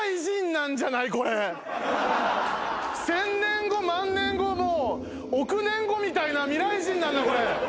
１０００年後万年後もう億年後みたいな未来人なんだこれ。